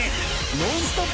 ノンストップ！